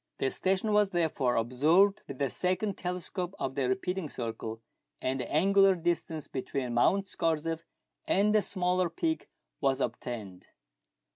The station was therefore observed with the second telescope of the repeating circle, and the angular distance between ]\Iount Scorzef and the smaller peak was obtained.